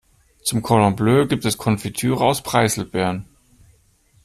Zum Cordon Bleu gibt es Konfitüre aus Preiselbeeren.